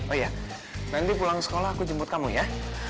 oh iya nanti pulang sekolah aku jemput kamu ya